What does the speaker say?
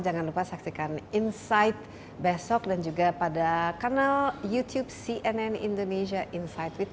jangan lupa saksikan insight besok dan juga pada kanal youtube cnn indonesia insight with